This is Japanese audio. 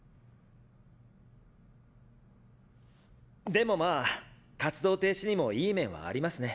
でもまあ活動停止にもいい面はありますね。